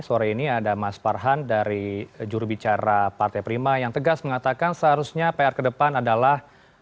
sore ini ada mas farhan dari jurubicara partai prima yang tegas mengatakan seharusnya pr ke depan adalah